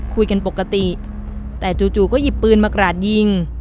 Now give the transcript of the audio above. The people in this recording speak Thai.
คุยกันปกติแต่จู่ก็หยิบปืนมากราดยิง